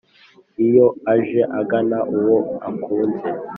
Iyo aje agana uwo akunze,